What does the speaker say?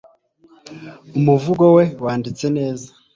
umuvugo we wanditse neza